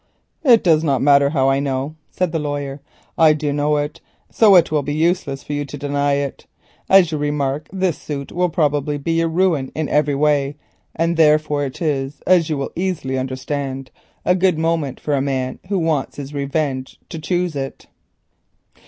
"It does not matter how I know it," said the lawyer, "I do know it, so it will be useless for you to deny it. As you remark, this suit will probably be your ruin in every way, and therefore it is, as you will easily understand, a good moment for a man who wants his revenge to choose to bring it."